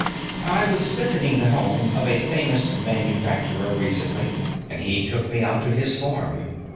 I was visiting the home of a famous manufacturer recently and he took me out to his farm.